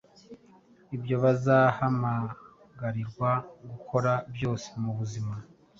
ibyo bazahamagarirwa gukora byose mu buzima,